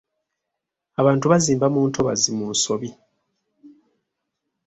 Abantu bazimba mu ntobazi mu nsobi.